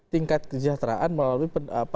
tingkat kejahteraan melalui